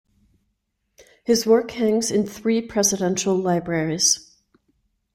His work hangs in three presidential libraries.